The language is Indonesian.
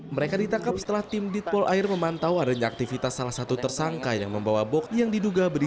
mereka ditangkap setelah tim ditpol air memantau adanya aktivitas salah satu tersangka yang membawa bok yang diduga berdiri